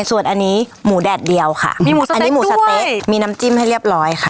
ส่วนอันนี้หมูแดดเดียวค่ะอันนี้หมูสะเต๊ะมีน้ำจิ้มให้เรียบร้อยค่ะ